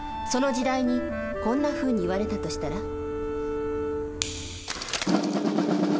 その時代にこんなふうに言われたとしたら。